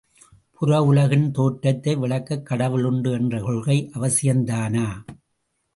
புற உலகின் தோற்றத்தை விளக்க கடவுள் உண்டு என்ற கொள்கை அவசியந்தானா?